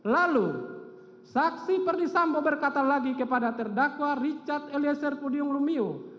lalu saksi perdisambo berkata lagi kepada terdakwa richard eliezer pudium lumiu